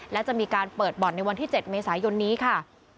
และจะมีการเปิดบ่อนในวันที่๗เมษายนนี้ค่ะ